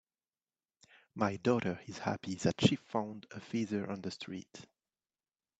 My daughter is happy that she found a feather on the street.